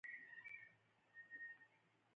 وسله باید له ټولنې ووځي